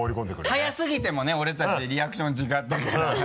早すぎてもね俺たちリアクション違ったから。